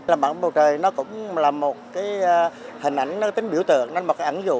làm bạn với bầu trời nó cũng là một cái hình ảnh nó tính biểu tượng nó là một cái ảnh dụ